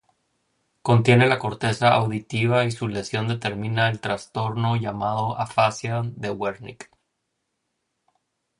Contiene la corteza auditiva y su lesión determina el trastorno llamado afasia de Wernicke.